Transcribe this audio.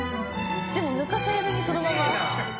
でも抜かされずそのまま。